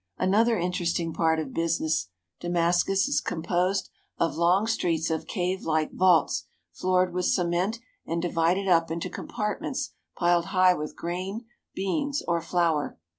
Another interesting part of business Damascus is com posed of long streets of cave like vaults floored with cement and divided up into compartments piled high with grain, beans, or flour.